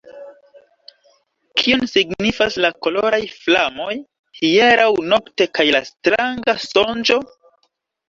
Kion signifas la koloraj flamoj hieraŭ nokte kaj la stranga sonĝo?